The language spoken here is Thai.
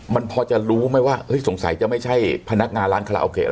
มันพอจะรู้ไหมว่าสงสัยจะไม่ใช่พนักงานร้านคาราโอเกะ